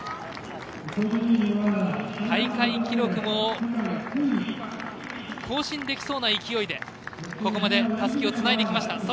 大会記録も更新できそうな勢いでここまでたすきをつないできました。